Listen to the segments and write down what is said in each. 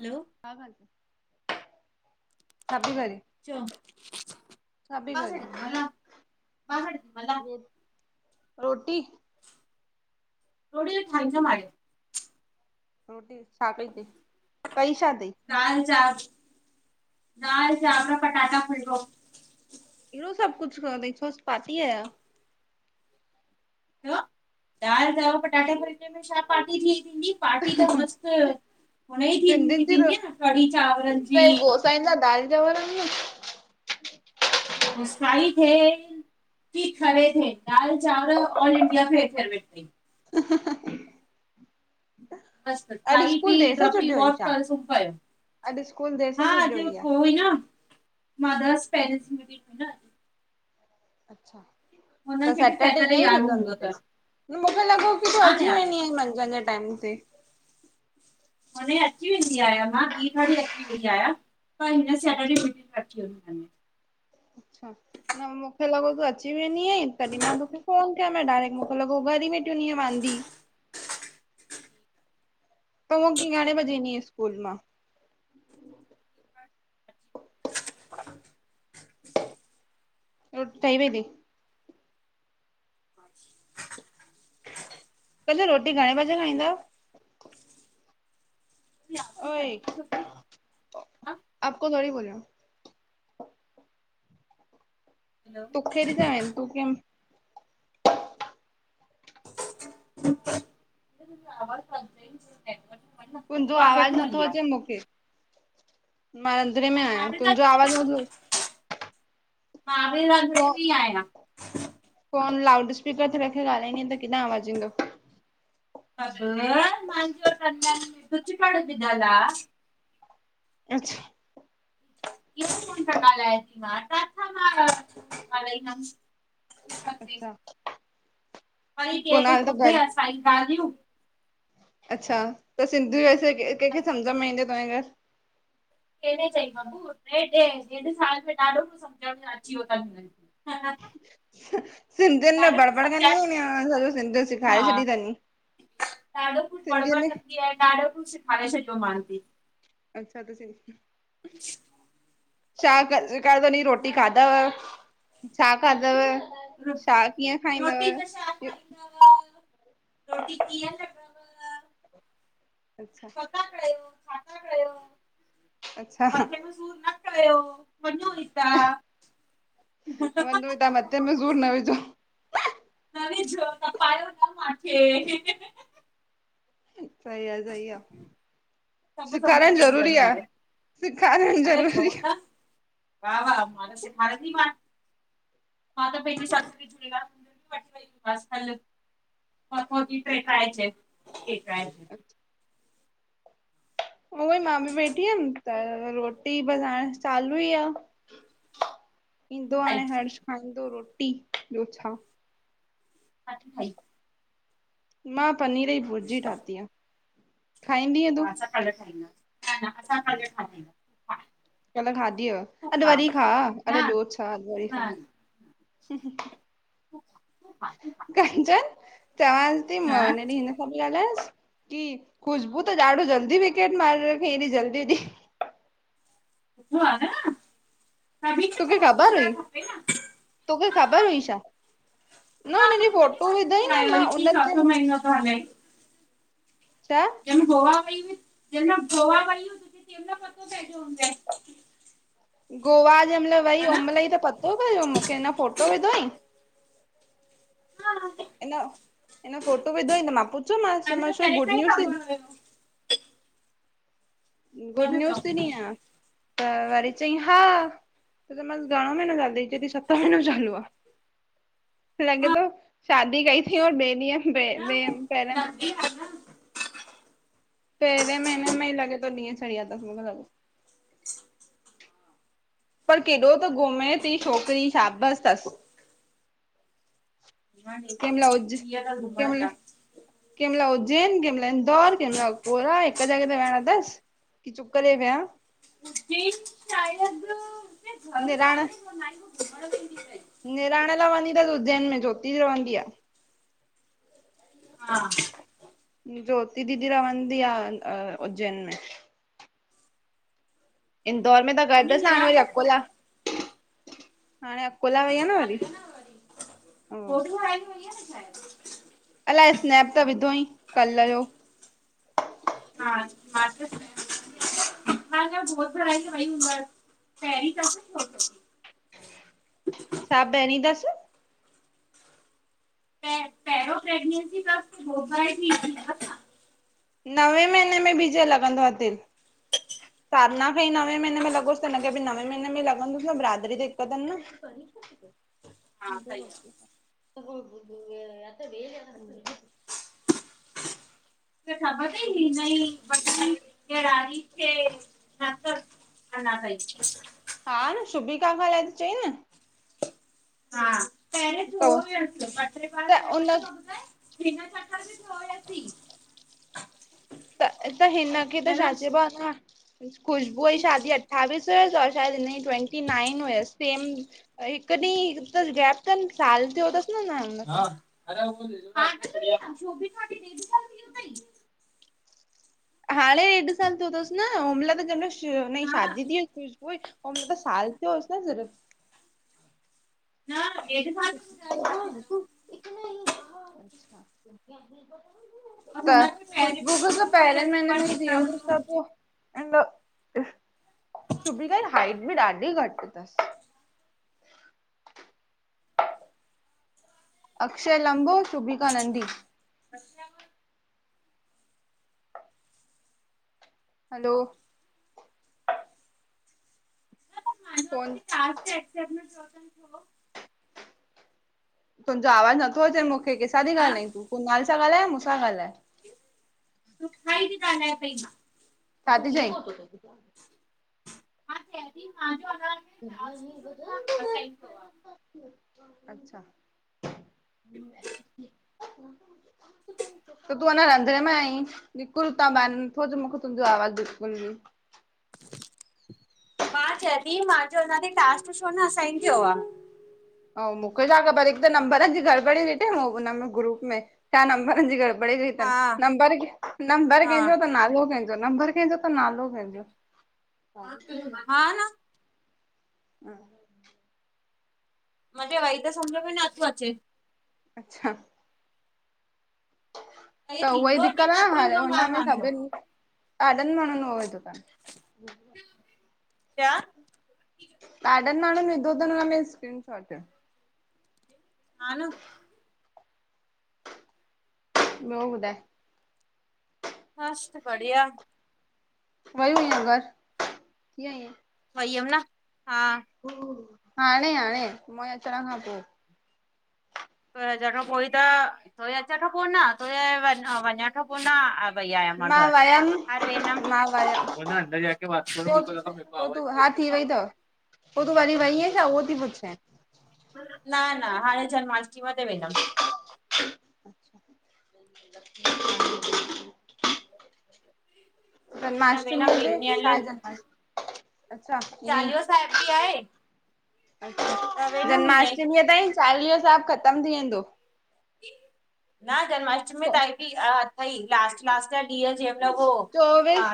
हलो [unintelligible] हा, करे? चओ छा पई करे? [unintelligible] रोटी [unintelligible] रोटी छा कइ तई कई छा तई? दाल, चांव, दाल, चांवर, पटाटा फुलको। एॾो सभु कुझु खा थई, छो अॼु पार्टी आ छा? छोँ, दालि चावर पटाटे फुल्के में छा पार्टी थी थींदी। पार्टी त मस्त हुनजी थींदी सिंधियुनि थींदी आ न कढ़ी चांवरनि जी पेहंजा दाल चांवर बि मुस्काई थे, की खड़े थे, दाल, चांवर ऑल इंडिया ई [unintelligible] मस्त अॼु खाई पी स्कूल देरि सां ड्रपी छुटी हुई छा? [unintelligible] सुम पयो। अॼु स्कूल देर सां छॾयो [unintelligible] ई न [unintelligible] अच्छा। हुननि त खे बि सेटरडे सैटरडे ईअं यारो हूंदो छुटंद ते अथनि मूंखे लॻो की तूं हा न अची यार वेंदी अन। जंहिंजे टाइम ते हाणे अची वेंदी आहियां मां ॿी बजे अची वेंदी आहियां पर हिन सटरडे [unintelligible] अच्छा, न मूंखे लॻो तूं अची वेंदी आहि तॾहिं मां तोखे फोन [unintelligible] डायरेक्ट मुखे लॻो घरी वेठी हुन्दीअं वांदी। तूं [unintelligible] घणे बजे ईंदी आ स्कूल मां? [inaudible] रोटी ठही वे दी [inaudible] कल रोटी घणे बजे खाईंदव ओए, आपको थोरी बोला। तूं ख़े बि [unintelligible] तूं [unintelligible] [inaudible] [unintelligible] तुंहिंजो आवाज़ नथो अचे मूंखे मां रंधिणे में आहियां तुंहिंजो आवाज नथो अचे। मां बिे फो रंधिणे में ई आहियां। फोन लाउड स्पीकर ते रखी ॻाल्हाईंदी त किथां आवाज़ु ईंदो। [unintelligible] अच्छा। [unintelligible] अच्छा। वरी ॿियो केरु कुनाल त ॿुधे ॻाल असांजी ॻाल्हियूं। अच्छा त सिंधी वैसे कंहिंखे सम्झ में ईंदो तव्हांजे घर। केॾे चईं मां हेेढ साल में ॾाढो कुझ सम्झण में अची वियो अथनि। हम्म सिंधियुनि में बड़बड़ कनीयूं सम्झाए आहिनि या सॼी सिंधी हा सेखारे छॾी अथनि। ॾाढो कुझु सिंधीअ बड़बड़ में कंदी आहे ॾाढो कुझु सेखारे छॾियो मान्यं। अच्छा त सिं। छा कर सेखारियोतीन रोटी खाधव छा खाधव? छा कीअं रोटी में छा खाईंदव? खाईंदव रोटी कीअं लॻ? अच्छा। छो था कयो छा था कयो? अच्छा मथे में सूर न कयो वञोहितां। वञो हितां मथे में सूर न विझो। न विजु तपायो न माखे। सही आहे सही आहे सभु सम्झ सिखारनि में ईंदी जरूरी अथनि आहे हाणे सिखार। अड़े छो न वाह वाह मां त सेखारींदीमान। मां त पंहिंजी सस बि जुड़ाल वठी वईमास कल। मथों ती टहिकाए अचे ठीकु आहे। अ [inaudible] उहो ई मां बि बेठी हुयमि त रोटी बस हाण चालू ई आहे। ईंदो ठाई हाणे हर्ष खाईंदो रोटी ॿियो छा। छा थी ठाई मां पनीर जी भुरजी ठाती आहे खाईंदीअ तूं। हा असां कल ठाहींदम न न असां कल खादीई हा। कल खाधी हुव अॼुवरी खाउ, अड़े न ॿियो छा अॼु वरी न खाउ न [inaudible] तूं खा तूं खा कंचन चवांस थी मां न हुन ॾींहुं इन। मी ॻाल्हाएसि की खुश्बू त ॾाढो जल्दी विकेट मारे रखयई एॾी जल्दी ॾी। सुठो आहेन। सभीनी खे तोखे मौको ख़बर मिलणु हुई? खपे न, तोखे हा ख़बर हुई छा? न हा हुन ॾींहुं फोटो मांखे विधई न ॿुधायो मां हुअईं त उन ते चोथो महीनो थो हले। छा? जम गोवा वय हुईंअ जम गोवा वयूं तनमल पतो पइजो हूंदइ। गोवा जंहिं महिल वई हा न ओहिंमहिल ई त पतो पयो मूंखे हुन फोटो विधोई। हा इन इन फोटो विधो हुयईं त मां पुछो मांस मांखे त चयोमासु छो पहिरीं खां गुड ई न्यूज, ख़बर हुयो त गुड न न्यूज चओ त ॾीं या। त वरी चई हा त मसि घणो महीनो चालू च सत महीनो चालू आहे। लॻे थो, शादी कई अथईं ऐं ॿे ॾींहं हे पहिरियों जी [inaudible] पहिरियें महिने में ही लॻे थो त ॾींअ चड़ी विया तस पर केॾो त घुमे थी छोकिरी शाबसि अथसि। ॾींहं कंहिंमहिल अथसि घुमण जा। कहिं महिल उज्जैन, कहिं महिल इंदौर, कहिं महिल गोआ, हिक जॻे ते विहण अथसि। कि चुप करे विया। जी, चाय रख दो। निराण, अथई निराण लाइ वेंदी अथसि उज्जैन में ज्योति रहंदी आहे। हा ज्योति दीदी रवंदी आहे। उज्जैन में इंदौर में त गॾु हुन हुअसि। हाणे वरी निराग अकोला, हाणे अकोला वई आ न वरी। टियों ॾींहं आई हुई आहे न शायदि? अलाए स्नैप त विधो हुंअई। कल्ह जो हा मां त हा न गोद भराई ते वई हूंदसि। पहिंरी तसि छा पहिरीं तसि? पहिरियों प्रेग्नेंसी तसि [inaudible] जी ईंदी आहे। नवे महीने में बि जो लॻंदो आहे तेल साधना खे ई नवे महीेने में लॻुस त हिन खे बि नवे महीने लॻंदुसि बिरादरी त हिक अथनि न करे छा ती पई? हा सही आहे तोखे वठो रोटी वेज़ आ न [inaudible] तोखे ख़बर तई नई [inaudible] पटरी केर राई हुन खे, छा अथसि, अञा ताईं। हा न शुभिका खां लंच चयईं न हा पहिरियोें थियो हुयसि [inaudible] ॿ टे बार त उन हुयोसि [inaudible] हिन चक्कर में हुयसि त त हिन खे त छा चलो चइबो आहे न खुशबूअ जी शादी अठावीस हुयसि और शायदि हिन जी ट्वेंटी नाइन हुयसि सेम। हिकु ॾींहु त गैप अथनि साल थियो अथसि हाणे हा अञा, शोभिता खे ॾेढ साल थी वियो अथई हाणे ॾेढ साल थियो अथसि न, हुन महिल जहिं माहिल हुन जी हा शादी थी हुई हुई। हुन माल त साल थियो होसि न सिर्फ़ न ॾेढ साल थी ॿुधायो हा मूंखे हू त इतना ही और त हुनखे पहिरें खुशबू बि खे त थियो पहिरियन हुयसि महीननि पर में ई थियो हुंदुसि? निकिरणो त न पोइ ऐ न, सुभी जी त हाईट बि ॾाढी घटि अथसि। अक्षय लंबो, शुभिका नंढ़ी। असल मा [inaudible] हलो मुहिंजो अञा फोन ताई टास्क ही एक्सेप्ट न कयो तन पूरो तुंहिंजो आवाज नथो अचे मूंखे कंहिंसां थी हा ॻाल्हाईूं तूं? कुनाल सां ॻाल्हाए मूंसां ॻाल्हाए। तो सां ई थी ॻाल्हायाए पई मां। छा ती चईं? मा चवां ती मांजो अगर कीं व आहे [unintelligible] अच्छा त तूं अञा रंधणे में आई निकुर हुतां ॿाहर नथो अचे मूंखे तुंहिंजो आवाज बिल्कुल भी। मा चईती थी मांजो अञा ताईं टास्क छो न असाइन थियो आ? अउ मूंखे छा ख़बर हिक त नम्बरनि जी गड़बड़ी ॾिठे हुनम ग्रुप में त नम्बरनि जी गड़बड़ बड़े जी त हा नंबर नंबर हा कंहिंजो त नालो कंहिंजो नंबर कंहिंजो त नालो कंहिंजो हा न [inaudible] मुखे वही त समझो में नथो अचे। अच्छा हे त उहाई थींदो की दिक़त न आन हाणे थींदो मां हुनमें मुंहिंजो सभिनि ॾाढनि माण्हुनि उहे विधो तनि। क्या? ॾाढन माण्हुनि विधो तन हुन में स्कीन शॉट। हा न ॿियो ॿुधाए? मस्त बढ़िया। वई हुईअ हिन बार थी आई अं? वई हम न, हा। हाणे हाणे मुहिं अचण खां पो। [unintelligible] वयी आया मा मां घर वयमि मां घर वेदम [inaudible] पो तूं, हा थी वई तव पो तूं वरी वई आ छा उहो थी पुछाऐ? न न हाणे जन्माष्टमी ते वेंदमि। [inaudible] हिन जन्माष्टमी वेंदमि ते ॿिनि ॾींहंनि लाइ छाहे जन्माष्टमी ते, अच्छा। चालीहो साहिब बि आहे। त वेंदमि ईअं ई जन्माष्टमी ताईं चालीहो साहिब खत्म थी वेंदो। न जन्माष्टमी अ ताईं बि अथई लास्ट लास्ट जा ॾींहं जंहिं महिल उ चोवीस,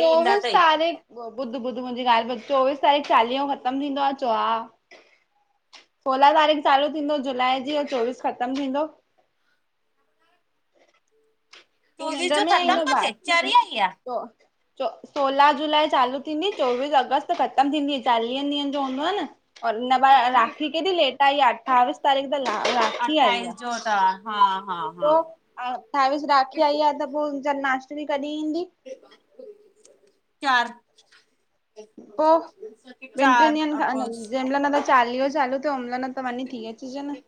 चोवीस तारीख़ ॿुध ॿुध मुंहिंजी ॻाल्हि ॿुध चोबीस तारीख़ चालीहो ख़त्म थींदो आ, चोअ हा। सोलहां तारीख़ चालू थींदो जुलाई जी ऐं चोवीस ख़त्म थींदो। तूं चोवीस जो ख़त्म थो थे, चरी आहीं छा! सोला जुलाई चालू थींदी चोवीस अगस्त ख़त्म थींदी। चालीहनि ॾींहंनि जो हूंदो आ न। और हिन बार राखी केॾी लेट आई आहे अठावीस तारीख़ त राखी आई आ। अठाईस जो त हा हा पो हा अठावीस राखी आई आ त पो जन्माष्टमी कॾहिं ईंदी? चार पो ॿिनि चार ट्रीनि ॾींहंनि खां अगस्त जंहिं महिल न त चालीयो चालू थियो त ओॾी मल त वञी थी अचजे न?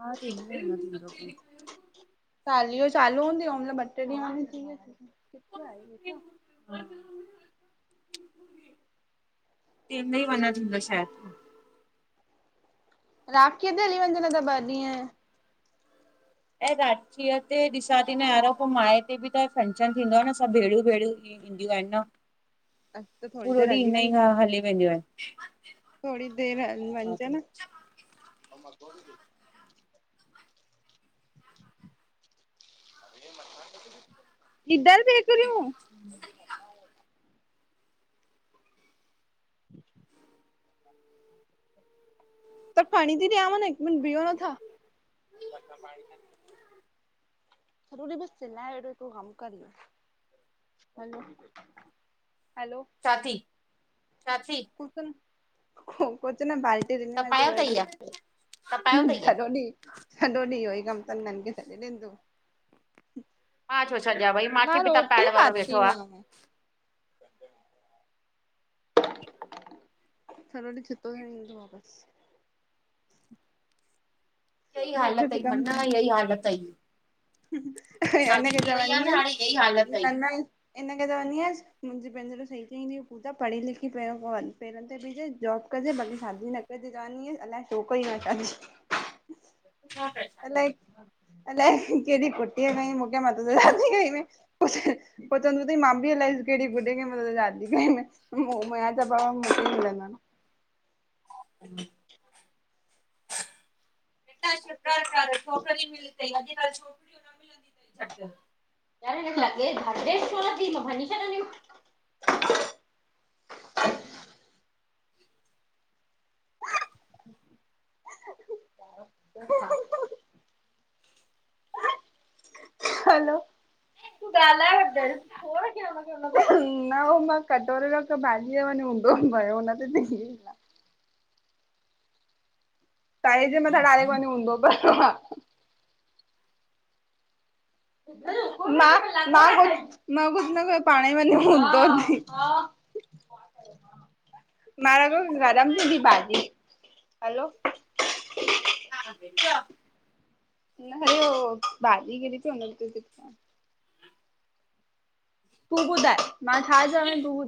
हा त [unintelligible] चालिहो चालू हूंदु ओमल ॿ ट्रे डींह वञी थी अच। तेमल ही वञण थींदो शायद। [inaudible] राखीअ ते हली वञजएं न त ॿ ॾीहं। ऐं राखीअ ते ॾिसां थी न यार पो माए ते बि त फंक्शन थींदो आ न त सब भेणूं-भेण थीदियूं आई न त थोरी पूरो देरि ॾींहुं हली इन ही हली वेंदियूं आहिनि। थोड़ी देर हली असां वञंजे ते न। इदर देख रू सही आ [inaudible] त पाणी थी ॾियांव न हिक मिन्ट बियो नथा सजो ॾि बस चिल्लाए वेठो तूं हम कर ना हैलो हैलो साथी साथी कुझ न बाल ॾ मो न [unintelligible] सॼो ॾींहुं इहो ई कमु तन हिनन खें छॾे ॾींन तूं मां छो छ्ॾियां भई मां मांखे बि ता पाणे वारो वेठो आ स [unintelligible] सजो ॾीह छित्तो थियण इंदो बस हीअ ही ॿियो हाल कुझु तई कमु मन हीअ ही हाल अथई हिनखे चवंदी न हाणे इहा ई हालत अई न न हिनखे चवंदीअस मुंहिंजे भेनारियूं सही चवंदियू आहिन पूजा पहिरीं पढ़ी लिखी करे पहिरियो पंहिंजे पेरनि ते भीअ जइ जॉब कजां बाक़ी शादी न कजयं क ची अलाए छोकिर ई न शादी [unintelligible] छा कज अलाए अलाए कहिड़ेी खुटी पई हुई मूंखे मां तो सां शादी कई [unintelligible] पोइ चवंदो थई मां बि अलाए कहिड़ी बुड्ढी सां शादी कयी आहे म त भ मूंखेकिल [unintelligible] ह [inaudible] बेटा शुकर कर छोकिरी मिली तई अॼुकल्ह छोकिरियूं न मिलंदी तई झटि तार हे लॻे धर्डेश्वर थी भञी छ नानी [inaudible] उ [unintelligible] हैलो ॻालाए रख्रयव पोइ रख्यव न उ मां कटोरो रख्यो भाॼीअ जो उूंदो भा भरयो उन ते [inaudible] तएं, जे मथां डायरेक्ट वञी हूंदो त मां, मां मां कुझ न कयो, पाणी वञी हुंदो ती। हा, हा मर, गरम थींदीं भाॼी, हलो हा भेण, चओ। न, हरे हो, भाॼी खे ॾिस [unintelligible] तूं ॿुधाए, मां छा चवें तूं